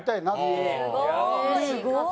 すごーい！